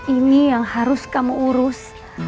ini yang harus kamu urus